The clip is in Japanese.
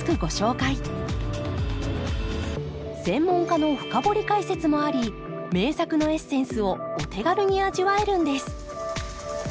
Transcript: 専門家の深掘り解説もあり名作のエッセンスをお手軽に味わえるんです